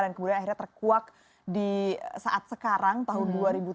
dan kemudian akhirnya terkuak di saat sekarang tahun dua ribu tujuh belas